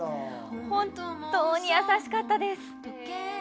ほんとに優しかったです。